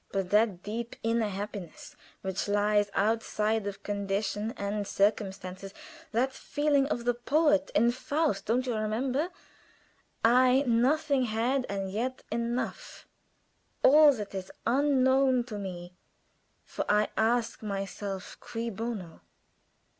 But that deep inner happiness, which lies outside of condition and circumstances that feeling of the poet in 'Faust' don't you remember? "'I nothing had, and yet enough' all that is unknown to me. For I ask myself, _Cui bono?